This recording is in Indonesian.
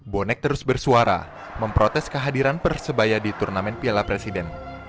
bonek terus bersuara memprotes kehadiran persebaya di turnamen piala presiden